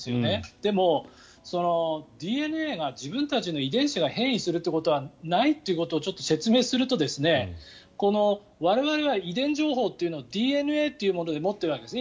でも、ＤＮＡが自分たちの遺伝子が変異することはないということをちょっと説明すると我々は遺伝情報というものをＤＮＡというもので持っているわけですね。